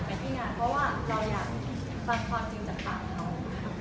ไปที่งานเพราะว่าเราอยากฟังความจริงจากปากเขา